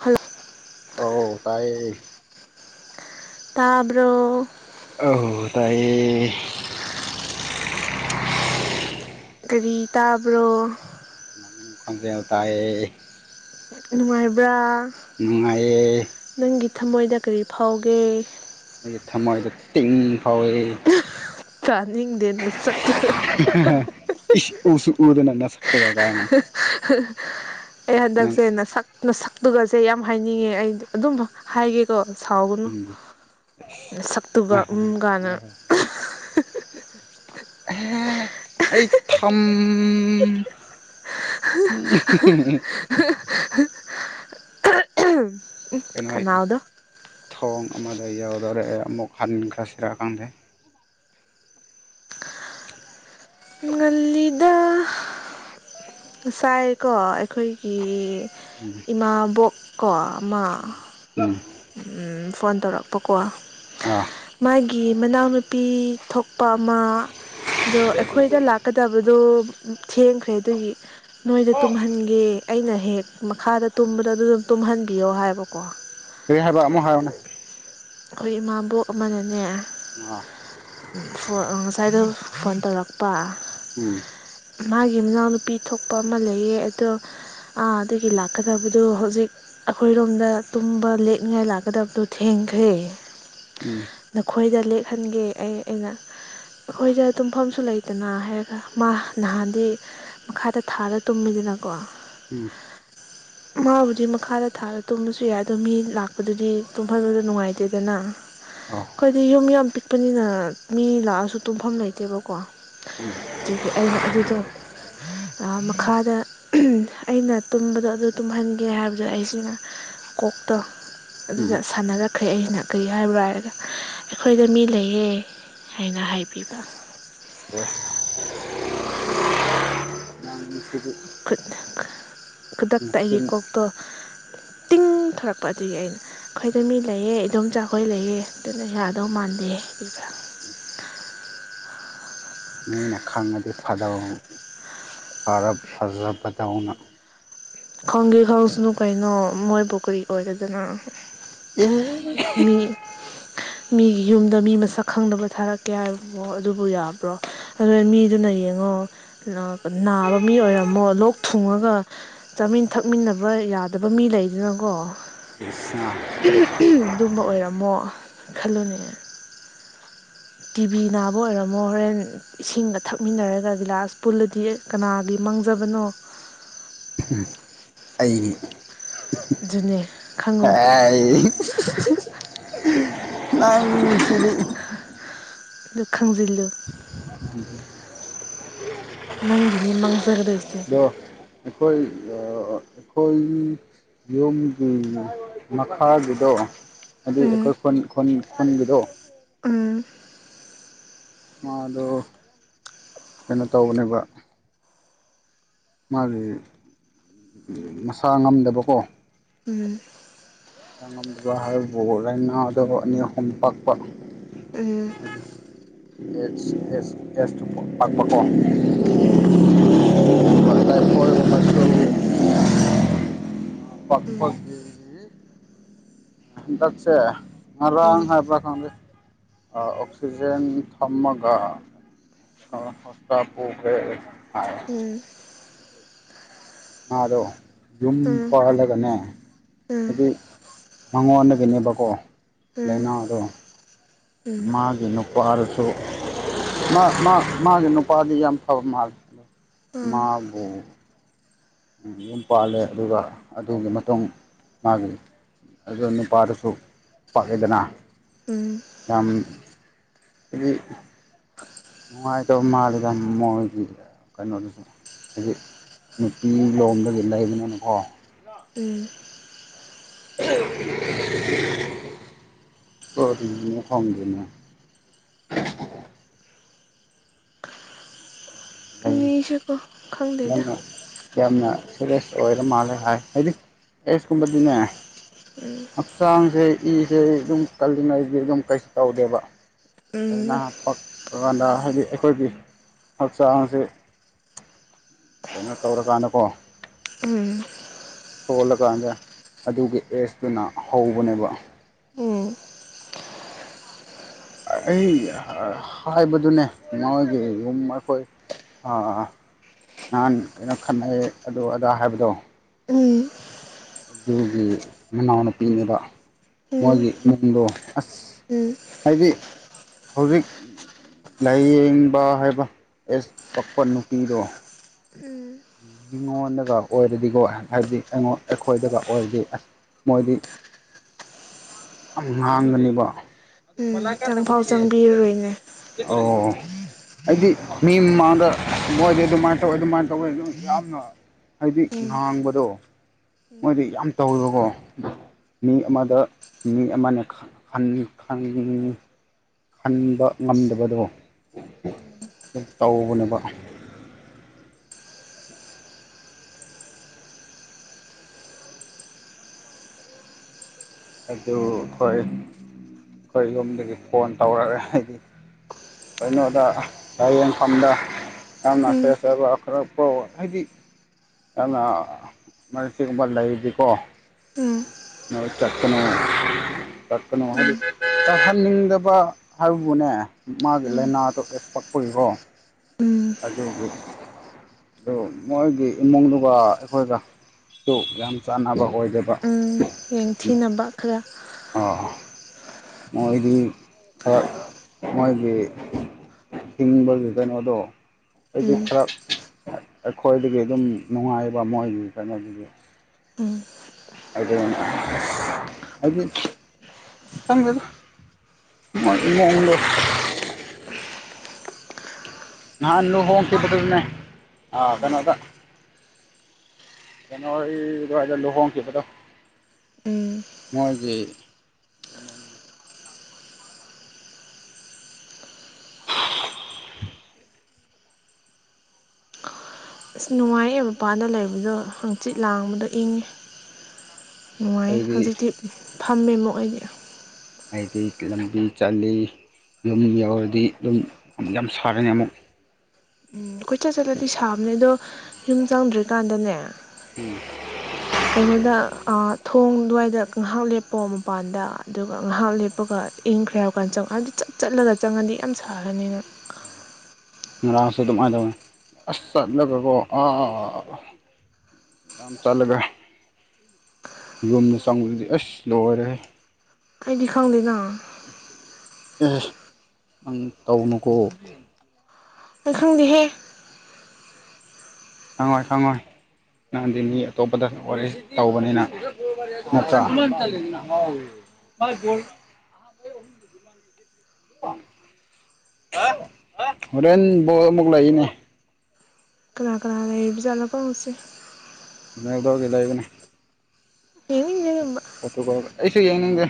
hello ꯑꯩ ꯇꯥꯏꯌꯦ ꯇꯥꯕ꯭ꯔꯣ ꯑꯧ ꯇꯥꯏꯌꯦ ꯀꯔꯤ ꯇꯥꯕ꯭ꯔꯣ ꯅꯪ ꯈꯣꯟꯖꯦꯜ ꯇꯥꯏꯌꯦ ꯅꯨꯡꯉꯥꯏꯕ꯭ꯔꯥ ꯅꯨꯡꯉꯥꯏꯌꯦ ꯅꯪꯒꯤ ꯊꯃꯣꯏꯗ ꯀꯔꯤ ꯐꯥꯎꯒꯦ ꯑꯩꯏꯒꯤ ꯊꯝꯃꯣꯏꯗ ꯇꯤꯡ ꯐꯥꯎꯋꯤ ꯇꯥꯅꯤꯡꯗꯦ ꯅꯁꯛꯇꯨꯒ ꯏꯁ ꯎꯁꯨ ꯎꯗꯅ ꯅꯁꯛꯇꯨꯒ ꯀꯥꯏꯅ [unintelligible] ꯑꯩ ꯅꯪ ꯍꯟꯗꯛꯁꯦ ꯅꯁꯛ ꯅꯁꯛꯇꯨꯒꯁꯦ ꯌꯥꯝ ꯍꯥꯏꯅꯤꯡꯉꯦ ꯑꯩ ꯑꯗꯨꯝ ꯍꯥꯏꯒꯦꯀꯣ ꯁꯥꯎꯒꯅꯨ ꯎꯝ ꯁꯛꯇꯨꯒ ꯎꯝ ꯀꯥꯏꯅ ꯑꯦ ꯑꯩ ꯊꯝ ꯀꯩꯅꯣ ꯈꯅꯥꯎꯗꯣ ꯊꯣꯡ ꯑꯃꯗ ꯌꯥꯎꯔ ꯀꯩꯗꯧꯔꯦ ꯑꯃꯨꯛ ꯍꯟꯈꯔꯥꯁꯤꯔ ꯈꯪꯗꯦ ꯉꯜꯂꯤꯗ ꯉꯁꯥꯏꯀꯣ ꯑꯩꯈꯣꯏꯒꯤ ꯎꯝ ꯏꯃꯥꯕꯣꯛ ꯀꯣ ꯑꯃ ꯎꯝ ꯐꯣꯟ ꯇꯧꯔꯛꯄꯀꯣ ꯑ ꯃꯥꯒꯤ ꯃꯅꯥꯎꯅꯨꯄꯤ ꯊꯣꯛ ꯅꯨꯄꯥ ꯑꯃ ꯑꯗꯣ ꯑꯩꯈꯣꯏꯗ ꯂꯥꯛꯀꯗꯕꯗꯣ ꯊꯦꯡꯈ꯭ꯔꯦ ꯑꯗꯨꯒꯤ ꯅꯣꯏꯗ ꯇꯨꯝꯍꯟꯒꯦ ꯑꯩꯅ ꯍꯦꯛ ꯃꯈꯥꯗ ꯇꯨꯝꯕꯗ ꯑꯗꯨ ꯑꯗꯨꯝ ꯇꯨꯝꯍꯟꯕꯤꯌꯣ ꯍꯥꯏꯕꯀꯣ ꯀꯩ ꯍꯥꯌꯕ ꯑꯃꯨꯛ ꯍꯥꯏꯌꯣꯅꯦ ꯑꯩꯈꯣꯏ ꯏꯃꯥꯕꯣꯛ ꯑꯃꯅꯅꯦ ꯑꯥ ꯐ ꯉꯁꯥꯏꯗꯣ ꯐꯣꯟ ꯇꯧꯔꯛꯄ ꯎꯝ ꯃꯥꯒꯤ ꯃꯅꯥꯎꯅꯨꯄꯤ ꯊꯣꯛꯄ ꯑꯃ ꯂꯩꯌꯦ ꯑꯗꯣ ꯑꯗꯨꯒꯤ ꯂꯥꯛꯀꯗꯕꯗꯨ ꯍꯧꯖꯤꯛ ꯑꯩꯈꯣꯏꯔꯣꯝꯗ ꯇꯨꯝꯕ ꯂꯦꯛ ꯅꯣꯏ ꯂꯥꯛꯀꯗꯕꯗꯨ ꯊꯦꯡꯈ꯭ꯔꯦ ꯎꯝ ꯅꯈꯣꯏꯗ ꯂ ꯈꯟꯒꯦ ꯑꯩ ꯑꯩꯅ ꯑꯩꯈꯣꯏꯗ ꯇꯨꯝꯐꯝꯁꯨ ꯂꯩꯇꯅ ꯍꯥꯏꯔꯒ ꯃꯥ ꯅꯍꯥꯟꯗꯤ ꯃꯈꯥꯗ ꯊꯥꯔ ꯇꯨꯝꯃꯤꯗꯅꯀꯣ ꯎꯝ ꯃꯥꯕꯨꯗꯤ ꯃꯈꯥꯗ ꯊꯥꯔ ꯇꯨꯝꯕꯁꯨ ꯌꯥꯏ ꯑꯗꯣ ꯃꯤ ꯂꯥꯛ ꯑꯗꯨꯗꯤ ꯇꯨꯝꯐꯝꯟꯕꯗ ꯅꯨꯡꯉꯥꯏꯇꯦꯗꯅ ꯑꯧ ꯑꯩꯈꯣꯏꯗꯤ ꯌꯨꯝ ꯌ ꯄꯛ ꯄꯤꯛꯄꯅꯤꯅ ꯃꯤ ꯂꯥꯛꯑꯁꯨ ꯇꯨꯝꯐꯝ ꯂꯩꯇꯦꯕꯀꯣ ꯑꯗꯨꯒꯤ ꯑꯩꯅ ꯑꯗꯨꯗꯣ ꯃꯈꯥꯗ ꯑꯩꯅ ꯇꯨꯝꯕꯗꯣ ꯑꯗꯨ ꯇꯨꯝꯍꯟꯒꯦ ꯍꯥꯏꯕꯗꯣ ꯑꯩꯁꯤꯅ ꯀꯣꯛꯇꯣ ꯎꯝ ꯑꯗꯨꯗ ꯁꯥꯟꯅꯒ ꯑꯩꯈꯣꯏ ꯑꯩꯅ ꯀꯔꯤ ꯍꯥꯏꯕ꯭ꯔꯥ ꯍꯥꯏꯔꯒ ꯑꯩꯈꯣꯏꯗ ꯃꯤ ꯂꯩꯌꯦ ꯍꯥꯏꯅ ꯍꯥꯏꯕꯤꯕ [unintelligible] ꯈꯨꯗꯛꯇ ꯑꯩꯒꯤ ꯅꯆꯤꯟ ꯀꯣꯛꯇꯣ ꯇꯤꯡ ꯊꯣꯔꯛꯄ ꯑꯗꯨꯒꯤ ꯑꯩꯅ ꯈꯣꯏꯗ ꯃꯤ ꯂꯩꯌꯦ ꯏꯗꯣꯝ ꯆꯥꯈꯣꯏ ꯂꯩꯑꯦ ꯑꯗꯨꯅ ꯌꯥꯗꯧ ꯃꯥꯟꯗꯦ ꯏꯗ ꯏꯁ ꯃꯤꯅ ꯈꯪꯉꯗꯤ ꯐꯗꯧ ꯐꯖꯕꯗꯧꯅ ꯈꯪꯒꯦ ꯈꯪꯁꯅꯨ ꯀꯩꯅꯣ ꯃꯣꯏꯕꯨ ꯀꯨꯔꯤ ꯑꯣꯏꯔꯦꯗꯅ [unintelligible] ꯃꯤꯒꯤ ꯌꯨꯝꯗ ꯃꯤ ꯃꯁꯛ ꯈꯪꯗꯕ ꯊꯥꯔꯛꯀꯦ ꯍꯥꯏꯕꯣ ꯑꯗꯨꯕꯨ ꯌꯥꯕ꯭ꯔꯣ ꯑꯗꯨ ꯃꯤꯗꯨꯅ ꯌꯦꯡꯉꯣ ꯅꯥꯕ ꯃꯤ ꯑꯣꯏꯔꯝꯃꯣ ꯂꯣꯛ ꯊꯨꯡꯉꯒ ꯆꯃꯤꯟ ꯊꯛ ꯇꯛꯃꯤꯟꯅꯕ ꯌꯥꯗꯕ ꯃꯤ ꯂꯩꯗꯅꯀꯣ ꯏꯁ ꯑꯗꯨꯝꯕ ꯑꯣꯏꯔꯝꯃꯣ ꯈꯜꯂꯨꯅꯦ ꯇꯤꯕꯤ ꯅꯥꯕ ꯑꯣꯏꯔꯝꯃꯣ ꯍꯣꯔꯦꯟ ꯏꯁꯤꯡꯒ ꯊꯛꯃꯤꯟꯅꯔꯒ ꯒꯤꯂꯥꯁ ꯄꯨꯜꯂꯗꯤ ꯀꯅꯥꯒꯤ ꯃꯥꯡꯖꯕꯅꯣ ꯑꯩꯒꯤ ꯑꯗꯨꯅꯦ ꯈꯪꯉꯨ ꯑ ꯅꯪ ꯁꯤꯗꯤ ꯂꯛꯈꯪ ꯜꯂꯥ ꯅꯪꯒꯤꯅꯦ ꯃꯪ ꯗ ꯑꯩꯈꯣꯏ ꯑꯩꯈꯣꯏ ꯌꯨꯝꯒꯤ ꯃꯈꯥꯒꯤꯗꯣ ꯑꯗꯨ ꯎꯝ ꯑꯩꯈꯣꯏ [unintelligible] ꯊꯕꯤꯗꯣ ꯎꯝ ꯃꯥꯗꯣ ꯀꯩꯅꯣ ꯇꯧꯕꯅꯦꯕ ꯃꯥꯒꯤ ꯃꯁꯥ ꯉꯝꯗꯕꯀꯣ ꯎꯝ ꯆꯥ ꯉꯝꯗꯕ ꯍꯥꯏꯕꯕꯨ ꯂꯥꯏꯅꯥꯗꯧꯕ ꯑꯅꯤ ꯑꯍꯨꯝ ꯄꯥꯛꯄ ꯎꯝ ꯁ ꯎꯝ ꯄ ꯍꯗꯁꯦ ꯎꯝ ꯃꯔꯥꯡ ꯎꯝ ꯍꯥꯏꯕ꯭ꯔ ꯈꯪꯗꯦ ꯑꯣꯛꯁꯤꯖꯦꯟ ꯊꯝꯃꯒ ꯀꯩꯅꯣ ꯍꯣꯁꯇꯥꯄꯒꯦ ꯍꯥꯏ ꯎꯝ ꯃꯥꯗꯣ ꯌꯨꯝ ꯎꯝ ꯎꯝ ꯄꯥꯍꯜꯂꯒꯅꯦ ꯍꯥꯏꯗꯤ ꯃꯉꯣꯟꯗꯒꯤꯅꯦꯕꯀꯣ ꯂꯥꯏꯅꯥꯗꯣ ꯃꯥꯒꯤ ꯅꯨꯄ ꯋꯥꯔꯁꯨ ꯃꯥ ꯃꯥꯒꯤ ꯅꯨꯄꯥꯗꯤ ꯌꯥꯝ ꯐꯕ ꯃꯥ ꯎꯝ ꯎꯝ ꯃꯥꯕꯨ ꯌꯨꯝ ꯄꯥꯜꯂꯦ ꯑꯗꯨꯒ ꯑꯗꯨꯒꯤ ꯃꯇꯨꯡ ꯃꯥꯒꯤ ꯑꯗꯨ ꯅꯨꯄꯥꯗꯨꯁꯨ ꯄꯥꯛꯑꯦꯗꯅ ꯎꯝ ꯌꯥꯝꯝ ꯑꯗꯨꯗꯒꯤ ꯅꯨꯡꯉꯥꯏꯇꯕ ꯃꯥꯜꯂꯤꯗ ꯃꯣꯏꯒꯤ ꯀꯩꯅꯣꯗꯨꯁꯨ ꯍꯥꯏꯗꯤ ꯅꯨꯄꯤ ꯂꯣꯝꯗꯒꯤ ꯂꯩꯕꯅꯤꯅꯀꯣ ꯎꯝ [unintelligible] ꯑ ꯍꯣꯣꯡꯗꯅ ꯃꯤꯁꯦꯀꯣ ꯈꯪꯗꯦꯗ ꯑꯗꯨ ꯌꯥꯝꯅ ꯐ꯭ꯔꯦꯁ ꯑꯣꯏꯔ ꯃꯥꯜꯂꯦ ꯍꯥꯏ ꯍꯥꯏꯗꯤ ꯑꯦꯁꯀꯨꯝꯕꯗꯤꯅꯦ ꯍꯛꯆꯥꯡꯁꯦ ꯏꯁꯁꯦ ꯑꯗꯨꯝ ꯀꯜꯂꯤꯉꯩꯗꯤ ꯑꯗꯨꯝ ꯀꯩꯁꯨ ꯇꯧꯗꯦꯕ ꯂꯩꯥꯏꯅꯥ ꯎꯝ ꯄꯛꯄꯀꯥꯟꯗ ꯍꯥꯏꯕꯗꯤ ꯑꯩꯈꯣꯏꯒꯤ ꯍꯛꯆꯥꯡꯁꯤ ꯀꯩꯅꯣ ꯇꯧꯔꯀꯥꯟꯗꯀꯣ ꯎꯝ ꯁꯣꯜꯂꯀꯥꯟꯗ ꯑꯗꯨꯒꯤ ꯑꯦꯖꯇꯨꯅ ꯍꯧꯕꯅꯦꯕ ꯎꯝ ꯑꯩ ꯍꯥꯏꯕꯗꯨꯅꯦ ꯃꯣꯏꯒꯤ ꯌꯨꯝ ꯑꯩꯈꯣꯏ ꯅꯍꯥꯟ ꯀꯩꯅꯣ ꯈꯅꯩ ꯑꯗꯨ ꯑꯗꯥ ꯍꯥꯏꯕꯗꯣ ꯎꯝ ꯑꯗꯨꯒꯤ ꯃꯅꯥꯎꯅꯨꯄꯤꯅꯦꯕ ꯎꯝ ꯃꯣꯏꯒꯤ ꯏꯃꯨꯡꯗꯣ ꯑꯁ ꯎꯝ ꯍꯥꯏꯗꯤ ꯍꯧꯖꯤꯛ ꯂꯥꯏꯌꯦꯡꯕ ꯍꯥꯏꯕ ꯑꯦꯁ ꯄꯛꯄ ꯅꯨꯄꯤꯗꯣ ꯎꯝ ꯃꯤꯉꯣꯟꯗꯒ ꯑꯣꯏꯔꯗꯤꯀꯣ ꯍꯥꯏꯕꯗꯤꯉꯣꯟ ꯑꯩꯈꯣꯏꯗꯒ ꯑꯣꯏꯔꯗꯤ ꯑꯁ ꯃꯣꯏꯗꯤꯣ ꯌꯥꯝ ꯉꯥꯡꯒꯅꯤꯕꯣ ꯏ ꯆꯪꯐꯥꯎ ꯆꯪꯕꯤꯔꯔꯣꯏꯅꯦ ꯑꯣ ꯑꯩꯗꯤ ꯃꯤ ꯃꯃꯥꯡꯗ ꯃꯣꯏꯗꯤ ꯑꯗꯨꯃꯥꯏꯅ ꯇꯧꯋ ꯑꯗꯨꯃꯥꯏꯅ ꯇꯧ ꯊꯧꯏ ꯑꯗꯨ ꯌꯥꯝꯅ ꯍꯥꯏꯗꯤ ꯎꯝ ꯉꯥꯡꯕꯗꯣ ꯃꯣꯏꯗꯤ ꯌꯥꯝ ꯇꯧꯋꯦꯕꯀꯣ ꯃꯤ ꯑꯃꯗ ꯃꯤ ꯑꯃꯅꯦ ꯈꯪꯉꯤ ꯈꯟꯕ ꯉꯝꯗꯕꯗꯣ ꯇꯧꯕꯅꯦꯕ ꯑꯗꯨ ꯑꯩꯈꯣꯏ ꯑꯩꯈꯣꯏ ꯌꯨꯝꯗꯒꯤ ꯐꯣꯟ ꯇꯧꯔꯛꯑꯦ ꯍꯥꯏꯗꯤ ꯀꯩꯅꯣꯗ ꯂꯥꯏꯌꯦꯡꯐꯝꯗ ꯌꯥꯝꯅ ꯎꯝ ꯁꯦꯆꯕ ꯈꯔ ꯍꯥꯏꯗꯤ ꯌꯥꯝꯅ ꯁꯤꯒꯨꯝꯕ ꯂꯩꯔꯤꯀꯣ ꯎꯝ ꯅꯣꯏ ꯆꯠꯀꯅꯨ ꯆꯠꯀꯅꯨ ꯍꯥꯏꯗꯤ ꯎꯝ ꯆꯠꯍꯟꯅꯤꯡꯗꯕ ꯍꯥꯏꯕꯕꯨꯅꯦ ꯃꯥꯒꯤ ꯎꯝ ꯂꯥꯏꯅꯥꯗꯨꯣ ꯑꯦꯁ ꯄꯛꯄꯏꯕꯣ ꯎꯝ ꯑꯗꯨꯒꯤ ꯑꯗꯨ ꯃꯣꯏꯒꯤ ꯏꯃꯨꯡꯗꯨꯒ ꯑꯩꯈꯣꯏꯒꯁꯨ ꯌꯥꯝ ꯆꯥꯟꯅꯕ ꯑꯣꯏꯗꯕ ꯎꯝ ꯌꯦꯡꯊꯤꯅꯕ ꯈꯔ ꯑ ꯃꯣꯏꯗꯤ ꯈꯔ ꯃꯣꯏꯒꯤ ꯍꯤꯡꯕꯒꯤ ꯀꯩꯅꯣꯗꯣ ꯑꯩꯗꯤ ꯎꯝ ꯈꯔ ꯑꯩꯈꯣꯏꯗꯒꯤ ꯑꯗꯨꯝ ꯅꯨꯡꯉꯥꯏꯕ ꯃꯣꯏꯒꯤ ꯀꯩꯅꯣꯗꯨꯗꯤ ꯎꯝ ꯑꯗꯨ ꯍꯥꯏ ꯑꯁꯀꯥꯟꯒꯗ ꯏꯃꯨꯡꯗ ꯅꯍꯥꯟ ꯂꯨꯍꯣꯡꯣꯡꯀꯤꯗꯣꯏꯅꯦ ꯎꯝ ꯀꯩꯅꯣꯗ ꯅꯋꯥꯔꯤ ꯍꯖꯔ ꯂꯨꯍꯣꯡꯣꯡꯀꯤꯕꯗ ꯎꯝ ꯅꯣꯏꯒꯤ ꯑꯁ ꯅꯨꯡꯉꯥꯏ ꯃꯄꯥꯗ ꯂꯩꯕꯗꯣ ꯍꯪꯆꯤꯠ ꯂꯥꯡꯕꯗꯣ ꯏꯪꯉꯦ ꯅꯨꯡꯉꯥꯏ ꯑꯩꯗꯤ ꯍꯧꯖꯤꯤ ꯐꯝꯃꯦ ꯃ ꯑꯩꯒꯤ ꯑꯩꯗꯤ ꯂꯝꯕꯤ ꯆ ꯌꯨꯝ ꯌꯧꯔꯗꯤ ꯑꯗꯨꯝ ꯌꯥꯝ ꯁꯥꯔꯅꯤ ꯑꯃꯨꯛ ꯎꯝ ꯀꯣꯏꯆꯠ ꯆꯠꯂꯗꯤ ꯁꯥꯕꯅꯦ ꯑꯗꯣ ꯌꯨꯝ ꯆꯪꯗ꯭ꯔꯤꯀꯥꯟꯗꯅꯦ ꯀꯩꯅꯣꯗ ꯑ ꯊꯣꯡ ꯑꯗꯨꯋꯥꯏꯗ ꯉꯥꯏꯍꯥꯛ ꯂꯦꯞꯄꯣ ꯃꯄꯥꯟꯗ ꯑꯗꯨꯒ ꯉꯥꯏꯍꯥꯛ ꯂꯦꯞꯄꯒ ꯏꯪꯈ꯭ꯔꯦ ꯍꯥꯏꯔ ꯀꯥꯟꯗ ꯆꯪꯉꯛ ꯑꯗꯨ ꯆꯞ ꯆꯠꯂꯒ ꯆꯪꯉꯗꯤ ꯌꯥꯝ ꯁꯥꯒꯅꯤꯅ ꯉꯔꯥꯡꯁꯨ ꯑꯗꯨꯃꯥꯏꯅ ꯇꯧꯋꯤ ꯑꯁ ꯆꯠꯂꯒꯀꯣ ꯑꯥ ꯌꯥꯝ ꯆꯠꯂꯒ ꯌꯨꯝꯗ ꯆꯪꯕꯗꯗꯤ ꯑꯁ ꯂꯣꯏꯔꯦ ꯑꯩꯗꯤ ꯈꯪꯗꯦꯅ ꯅ ꯇꯥꯎꯅ ꯀꯧꯕ ꯃ ꯈꯪꯗꯦꯍꯦ ꯈꯪꯉꯣꯏ ꯈꯪꯉꯣꯏ ꯅꯪꯗꯤ ꯃꯤ ꯑꯇꯣꯞꯄꯗ ꯋꯥꯔꯤ ꯇꯧꯕꯅꯤꯅ ꯅꯠꯇ꯭ꯔꯥ ꯍꯣꯔꯦꯟ ꯕꯣꯜ ꯑꯃꯨꯛ ꯂꯩꯏꯅꯦ ꯑꯩꯕ ꯆꯂ ꯐꯁꯤꯦ ꯅꯗꯒ ꯂꯩꯕꯅꯦ ꯏ ꯐꯣꯇꯨꯒ ꯑꯩꯁꯨ ꯌꯦꯡꯅꯤꯡꯗꯦ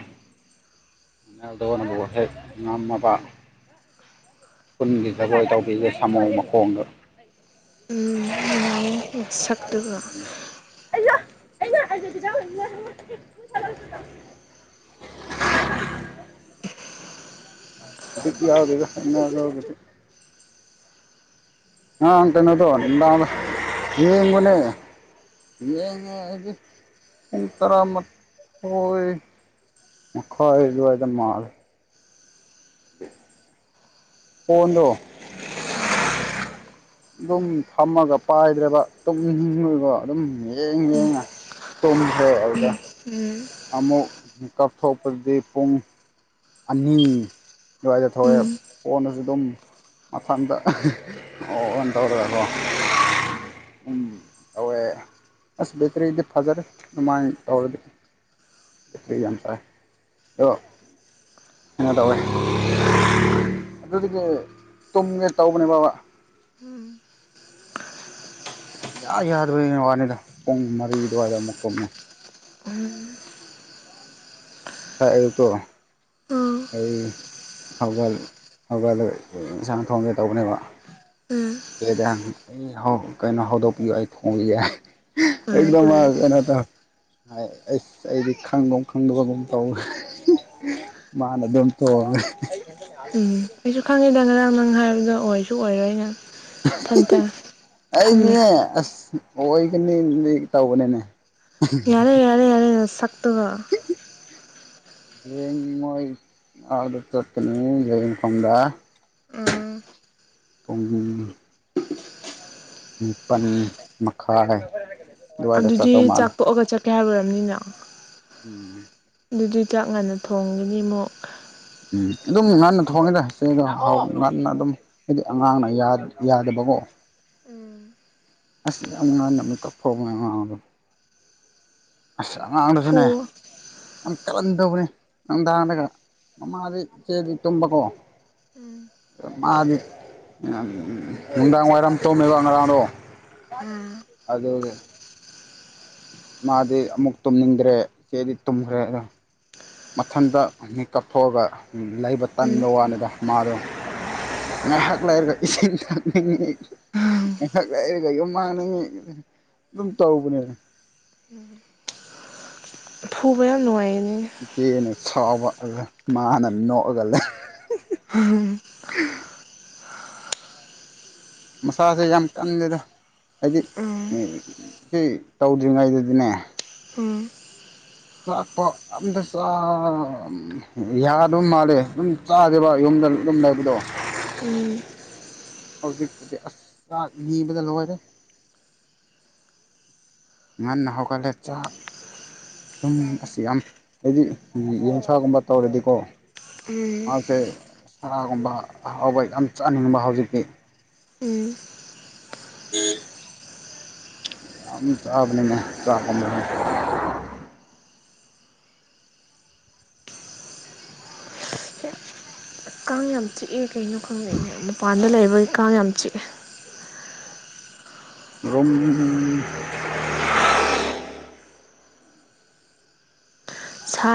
ꯃꯅꯦꯜꯗꯅꯕꯨ ꯍꯦꯛ ꯉꯝꯃꯕ ꯈꯨ ꯈꯨꯨꯟꯒꯤ ꯖꯒꯣꯏ ꯇꯧꯕꯤꯒꯦ ꯁꯥꯃꯣꯡ ꯃꯈꯣꯡꯗꯣ ꯁꯛꯇꯨꯒ [unintelligible] [unintelligible] ꯀ ꯑꯗꯨꯗꯣ ꯑ ꯀꯩꯅꯣꯗꯣ ꯅꯨꯡꯗꯥꯡ ꯌꯦꯡꯕꯅꯦ ꯌꯦꯡꯉꯦ ꯑꯩꯗꯤꯨꯡ ꯇꯔꯥꯃꯊꯣꯏ ꯃꯈꯣꯏ ꯑꯗꯨꯋꯥꯏꯗ ꯃꯥꯜꯦ ꯐꯣꯟ ꯗꯣ ꯎꯝ ꯑꯗꯨꯝ ꯐꯝꯃꯒ ꯄꯥꯏꯗ꯭ꯔꯦꯕ ꯇꯨꯝꯅꯤꯡꯉꯣꯏꯕꯣ ꯑꯗꯨꯝ ꯌꯦꯡ ꯌꯦꯡꯉ ꯇꯨꯝꯈ꯭ꯔꯦ ꯑꯗꯨꯒ ꯎꯝ ꯑꯃꯃꯛ ꯀꯞꯊꯣꯛꯄꯗꯤ ꯄꯨꯡ ꯑꯅꯤ ꯑꯗꯨꯋꯥꯏꯗ ꯊꯣꯛꯑꯦ ꯐꯣꯟꯗꯁꯨ ꯑꯗꯨꯝ ꯃꯊꯟꯇ ꯑꯣꯟ ꯇꯧꯔꯀꯣ ꯎꯝ ꯎꯝ ꯇꯧꯋꯦ ꯑꯁ ꯕꯦꯇ꯭ꯔꯤꯗꯤ ꯐꯖꯔꯦ ꯑꯗꯨꯃꯥꯏꯅ ꯇꯧꯔꯗꯤ ꯆꯩ ꯌꯥꯝ ꯆꯥꯏ ꯑꯣ ꯀꯩꯅꯣ ꯇꯧꯋꯦ ꯑꯗꯨꯗꯒꯤ ꯇꯨꯝꯒꯦ ꯇꯧꯕꯅꯦ ꯕꯥ ꯎꯝ ꯌꯥ ꯌꯥꯗꯕꯩ ꯋꯥꯅꯤꯗ ꯄꯨꯡ ꯃꯔꯤ ꯑꯗꯨꯋꯥꯏꯗ ꯑꯃꯨꯛ ꯀꯨꯝꯃꯦ ꯎꯝ ꯁꯥꯥꯏ ꯑꯗꯨꯒꯛꯇ ꯎꯝ ꯑꯩ ꯍꯧꯒ ꯍꯧꯒꯜ ꯏꯟꯁꯥꯡ ꯊꯣꯡꯒꯦ ꯇꯧꯕꯅꯦꯕ ꯎꯝ [unintelligible] ꯑꯩ ꯍꯧ ꯀꯩꯅꯣ ꯍꯧꯗꯣꯛꯄꯤꯌꯣ ꯑꯩ ꯈꯣꯡ ꯌꯥꯏ ꯎꯝ ꯑꯦꯗꯝꯝꯅ ꯑꯁ ꯑꯩꯗꯤ ꯈꯪꯒꯨꯝ ꯈꯪꯗꯕꯒꯨꯃ ꯇꯧꯋꯦ ꯃꯥꯅ ꯑꯗꯨꯝ ꯇꯣ ꯎꯝ ꯑꯩꯩꯁꯨ ꯈꯪꯉꯦ ꯅ ꯅꯪ ꯉꯔꯥꯡ ꯅꯪ ꯍꯥꯏꯕꯗ ꯑꯣꯏꯁꯨ ꯑꯣꯏꯔꯣꯏ ꯑꯩꯅ ꯑꯩꯅꯤ ꯑꯁ ꯑꯣ ꯑꯣꯏꯒꯅꯤ ꯇꯧꯕꯅꯦꯅꯦ ꯌꯥꯔꯦ ꯌꯥꯔꯦ ꯌꯥꯔꯦ ꯅꯁꯛ ꯛꯇ ꯍꯌꯦꯡ ꯃꯣꯏ ꯑꯁ ꯆꯠꯀꯅꯤ [unintelligible] ꯈꯣꯡꯗꯥ ꯎꯝ ꯐꯣꯡꯃꯤꯃꯅꯤ ꯅꯤꯄꯜ ꯃꯈꯥꯏ ꯑꯗꯨꯋꯥꯏꯗ ꯑꯗꯨꯗꯤ ꯆꯠꯇꯧ ꯃꯥꯜꯂꯦ ꯆꯥꯛ ꯇꯣꯛꯑꯒ ꯆꯠ ꯀꯌꯥ ꯑꯣꯏꯔꯕꯅꯤꯅꯣ ꯎꯝ ꯑꯗꯨꯗꯤ ꯆꯞ ꯉꯥꯟꯟꯅ ꯊꯣꯡꯒꯅꯤ ꯑꯃꯨꯛ ꯎꯝ ꯑꯗꯨꯝ ꯉꯟꯅ ꯊꯣꯡꯉꯦꯗ ꯏꯆꯦꯗꯥꯎ ꯉꯟꯅ ꯑꯗꯨꯝ ꯍꯥꯏꯗꯤ ꯑꯉꯥꯡꯅ ꯌꯥꯗꯕꯀꯣ ꯎꯝ ꯑꯁ ꯌꯥꯝ ꯉꯟꯅ ꯃꯤꯛꯇ ꯊꯣꯡꯉꯦ ꯑꯉꯥꯡꯗꯣ ꯑꯁ ꯐꯨ ꯑꯉꯥꯡꯗꯁꯨꯅꯦ ꯌꯥꯝ ꯀꯔꯟꯗꯧꯕꯅꯤ ꯅꯨꯡꯗꯥꯡꯗꯒ ꯃꯃꯥꯗꯤ ꯏꯆꯦꯗꯤ ꯇꯨꯝꯕꯀꯣ ꯎꯝ ꯃꯥꯗꯤ ꯅꯨꯡꯗꯥꯡ ꯋꯥꯏꯔꯝ ꯇꯨꯝꯃꯦꯕ ꯉꯔꯥꯡꯗꯣ ꯑ ꯑꯗꯨꯒꯤ ꯃꯥꯗꯤ ꯑꯃꯨꯛ ꯇꯨꯝꯅꯤꯡꯗ꯭ꯔꯦ ꯏꯆꯦꯗꯤ ꯇꯨꯝꯈ꯭ꯔꯦ ꯑꯗ ꯃꯊꯟꯇ ꯃꯤ ꯀꯥꯞꯊꯣꯛꯑꯒ ꯂꯩꯕ ꯎꯝ ꯇꯟꯕ ꯋꯥꯅꯤꯗ ꯃꯥꯗꯣ ꯉꯥꯏꯍꯥꯛ ꯂꯩꯔꯒ ꯏꯁꯤꯡ ꯊꯛꯅꯤꯡꯉꯤ ꯉꯥꯏꯍꯥꯛ ꯂꯩꯔꯒ ꯌꯨꯝ ꯍꯥꯡꯅꯤꯡꯉꯤ ꯑꯗꯨꯝ ꯇꯧꯕꯅꯦꯕ ꯐꯨꯕ ꯌꯥꯝ ꯅꯨꯡꯉꯥꯏ [inaudible] ꯁꯥꯎꯕ ꯑꯗꯨ ꯃꯥꯅ ꯅꯣꯛꯑꯒ ꯂꯩ ꯎꯝ ꯃꯁꯥꯁꯦ ꯌꯥꯝ ꯀꯟꯗꯦꯗꯣ ꯍꯥꯏꯗꯤ ꯎꯝ ꯁꯤ ꯇꯧꯗ꯭ꯔꯤꯉꯩꯗꯨꯗꯤꯅꯦ ꯎꯝ ꯆꯥꯛꯄ ꯑꯝꯇ ꯌꯥꯗ ꯃꯥꯜꯂꯦ ꯑꯗꯨꯝ ꯆꯥꯗꯦꯕ ꯌꯨꯝꯗ ꯑꯗꯨꯝ ꯂꯩꯕꯗꯣ ꯍꯧꯖꯤꯛꯇꯨꯗꯤ ꯑꯁ ꯆꯥꯛ ꯅꯤꯕꯗ ꯂꯣꯏꯔꯦ ꯉꯟꯅ ꯍꯧꯒꯠꯂꯦ ꯆꯥꯛ ꯁꯨꯝ ꯑꯁꯤ ꯌꯥꯝ ꯍꯥꯏꯗꯤ ꯌꯦꯟꯁꯥꯒꯨꯝꯕ ꯇꯧꯔꯗꯤꯀꯣ ꯎꯝ ꯃꯥꯁꯦ ꯁꯔꯥꯒꯨꯝꯕ ꯑꯍꯥꯎꯕ ꯌꯥꯝ ꯆꯥꯅꯤꯡꯕ ꯍꯧꯖꯤꯛꯇꯤ ꯎꯝ ꯑꯝ ꯆꯥꯕꯅꯤꯅꯦ ꯆꯥꯄꯝꯗ ꯀꯥꯡ ꯌꯥꯝ ꯆꯤꯛꯑꯦ ꯀꯩꯒꯤꯅꯣ ꯈꯪꯗꯦꯅꯦ ꯃꯄꯥꯟꯗ ꯂꯩꯕ ꯀꯝ ꯌꯥꯝꯆ ꯔꯝ ꯁꯥ